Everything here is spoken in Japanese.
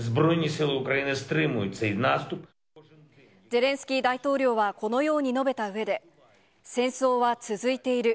ゼレンスキー大統領はこのように述べたうえで、戦争は続いている。